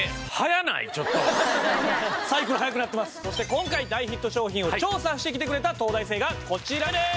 そして今回大ヒット商品を調査してきてくれた東大生がこちらです。